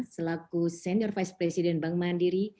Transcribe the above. selaku senior vice president bank mandiri